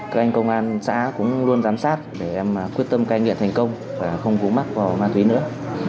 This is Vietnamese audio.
các anh công an xã cũng luôn giám sát để em quyết tâm cai nghiện thành công và không vú mắc vào ma túy nữa